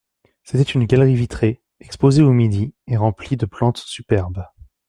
C’était une galerie vitrée, exposée au midi, et remplie de plantes superbes.